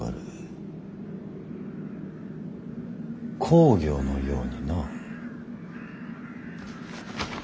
公暁のようにな。